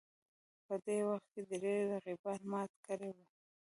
په دې وخت کې درې رقیبان مات کړي وو